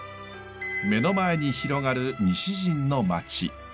目の前に広がる西陣の町。